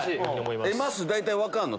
まっすー大体分かんの？